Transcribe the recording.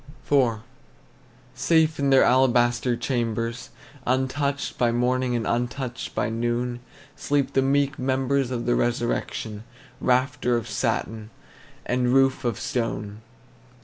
IV. Safe in their alabaster chambers, Untouched by morning and untouched by noon, Sleep the meek members of the resurrection, Rafter of satin, and roof of stone.